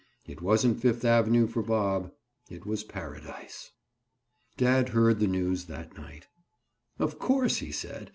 It wasn't Fifth Avenue for Bob. It was Paradise. Dad heard the news that night. "Of course," he said.